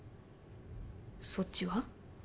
そっちは？